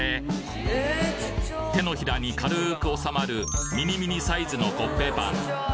手のひらに軽く収まるミニミニサイズのコッペパン